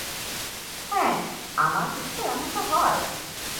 হ্যাঁ, আমার পিঠেও এমনটা হয়।